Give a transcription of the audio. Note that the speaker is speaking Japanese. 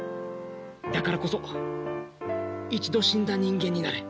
だからこそ一度死んだ人間になれ。